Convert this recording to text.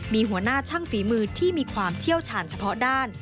มีหัวหน้าช่างฝีมือที่มีความเชี่ยวชาญเฉพาะด้าน